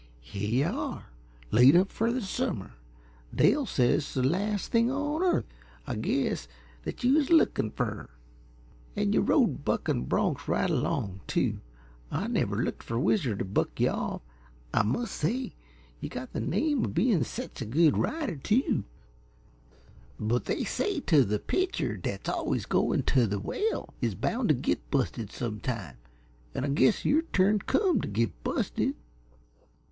Here yuh are, laid up fer the summer, Dell says the las' thing on earth, I guess, that yuh was lookin' fer. An' yuh rode buckin' bronks right along, too. I never looked fer Whizzer t' buck yuh off, I must say yuh got the name uh bein' sech a good rider, too. But they say 't the pitcher 't's always goin' t' the well is bound t' git busted sometime, an' I guess your turn come t' git busted.